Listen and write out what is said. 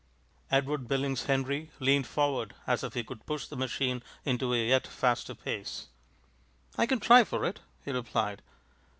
Edward Billings Henry leaned forward as if he could push the machine into a yet faster pace. "I can try for it," he replied.